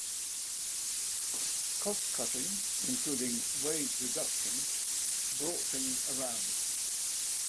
Cost cutting, including wage reduction, brought things around.